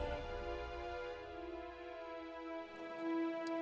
aku mau minta tolong sama kamu rum